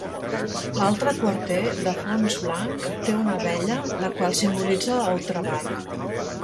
L'altre quarter, de fons blanc, té una abella, la qual simbolitza el treball.